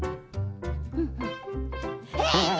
えっ！